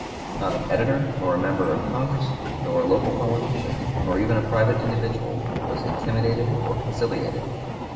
Not an editor, nor a member of Congress, nor a local politician, not even a private individual, was intimidated or conciliated.